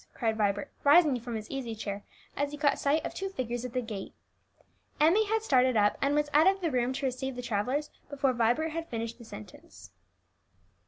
cried Vibert, rising from his easy chair as he caught sight of two figures at the gate. Emmie had started up, and was out of the room to receive the travellers, before Vibert had finished the sentence.